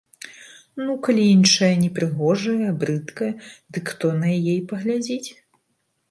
Ну, калі іншая непрыгожая, брыдкая, дык хто на яе і паглядзіць.